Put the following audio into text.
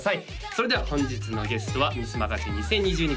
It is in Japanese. それでは本日のゲストはミスマガジン２０２２